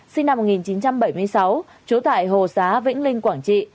sinh năm một nghìn chín trăm bảy mươi sáu trú tại hồ xá vĩnh linh quảng trị